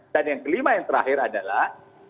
dan yang kelima yang terakhir adalah